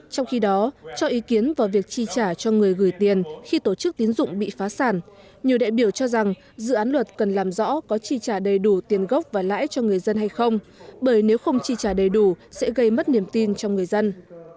trong khi đó cho ý kiến vào việc chi trả cho người gửi tiền khi tổ chức tín dụng bị phá sản nhiều đại biểu cho rằng dự án luật cần làm rõ có chi trả đầy đủ tiền gốc và lãi cho người dân hay không bởi nếu không chi trả đầy đủ sẽ gây mất niềm tin cho người dân